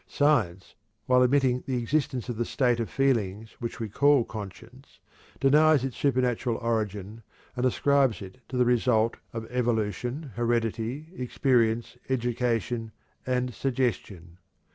Science, while admitting the existence of the state of feelings which we call "conscience," denies its supernatural origin, and ascribes it to the result of evolution, heredity, experience, education, and suggestion.